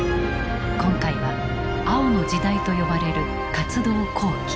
今回は「青の時代」と呼ばれる活動後期。